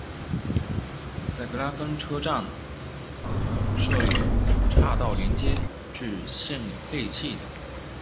在格拉芬车站则设有岔道连接至现已废弃的。